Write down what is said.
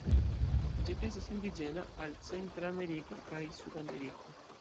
Ĝi estas indiĝena al Centra Ameriko kaj Sudameriko.